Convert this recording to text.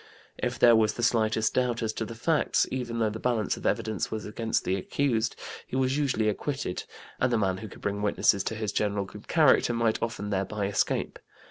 If there was the slightest doubt as to the facts, even though the balance of evidence was against the accused, he was usually acquitted, and the man who could bring witnesses to his general good character might often thereby escape.